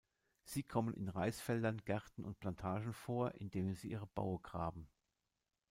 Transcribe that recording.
Sie kommen in Reisfeldern, Gärten und Plantagen vor, in denen sie ihre Baue graben.